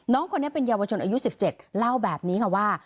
น้องคนนี้เป็นเยาวชนอายุ๑๗เล่าแบบนี้ค่ะว่า